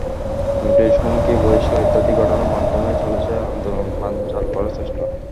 Notice, হুমকি, বহিষ্কার ইত্যাদি ঘটনার মাধ্যমে চলেছে আন্দোলন বানচাল করার চেষ্টা।